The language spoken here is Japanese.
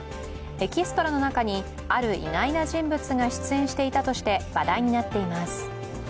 エキストラの中に、ある意外な人物が出演していたとして話題になっています。